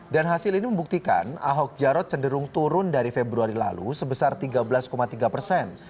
dan hasil ini membuktikan ahok jarot cenderung turun dari februari lalu sebesar tiga belas tiga persen